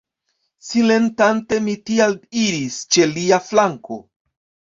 Silentante mi tial iris ĉe lia flanko.